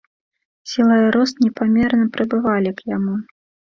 Сіла і рост непамерна прыбывалі к яму.